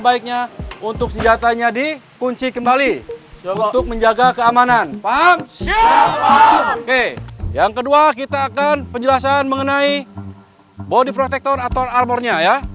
oke yang kedua kita akan penjelasan mengenai body protector atau armornya ya